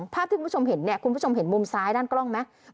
ภาพที่คุณผู้ชมเห็นเนี่ยคุณผู้ชมเห็นมุมซ้ายด้านกล้องไหม